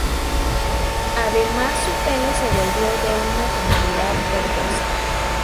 Además su pelo se volvió de una tonalidad verdosa.